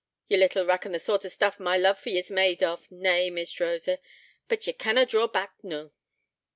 Ye little reckon the sort o' stuff my love for ye's made of. Nay, Miss Rosa, but ye canna draw back noo.'